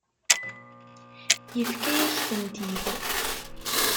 Yefka-yak-tent-id.